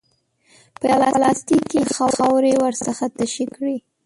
په یوه پلاستیک کې یې خاورې ورڅخه تشې کړې.